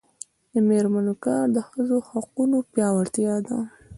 د میرمنو کار د ښځو حقونو پیاوړتیا ده.